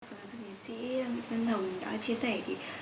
phương án dịch nhiễm sĩ nguyễn văn hồng đã chia sẻ